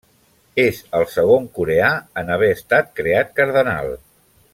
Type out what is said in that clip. És el segon coreà en haver estat creat cardenal.